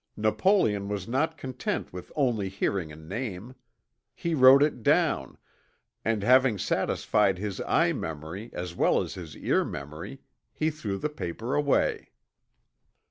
Napoleon was not content with only hearing a name. He wrote it down, and having satisfied his eye memory as well as his ear memory, he threw the paper away."